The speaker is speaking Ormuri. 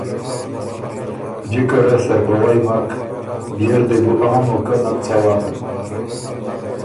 جکه ره سرپَوئ مک، بيې ر دې بُو آ موقع نک څوا۔